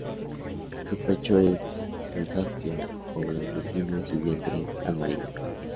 Su pecho es grisáceo o blanquecino y su vientre es amarillo.